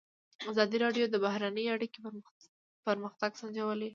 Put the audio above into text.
ازادي راډیو د بهرنۍ اړیکې پرمختګ سنجولی.